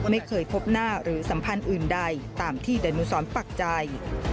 ไม่เคยพบหน้าหรือสัมพันธ์อื่นใดตามที่ดานุสรปักใจ